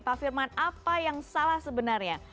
pak firman apa yang salah sebenarnya